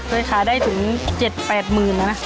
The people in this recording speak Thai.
คือขายได้ถึง๗๘หมื่นนะนะ